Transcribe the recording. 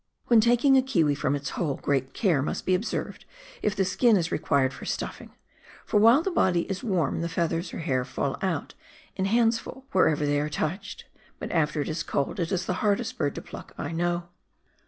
When taking a kiwi from its hole, great care must be observed if the skin is required for stufiing ; for while the body is warm the feathers or hair fall out in handfuls wherever they are touched, but after it is cold it is the hardest bird to pluck I know.